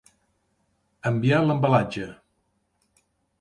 Enviar l'embalatge